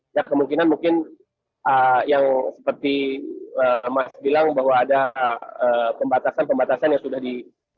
ya kemungkinan mungkin yang seperti mas bilang bahwa ada pembatasan pembatasan yang sudah di